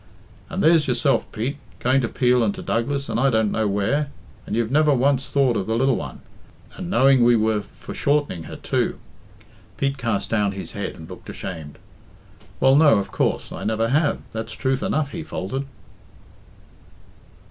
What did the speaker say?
"And there's yourself, Pete going to Peel and to Douglas, and I don't know where and you've never once thought of the lil one and knowing we were for shortening her, too." Pete cast down his head and looked ashamed. "Well, no of coorse I never have that's truth enough," he faltered.